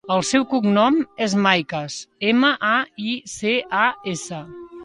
El seu cognom és Maicas: ema, a, i, ce, a, essa.